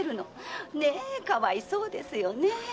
かわいそうですよねえ。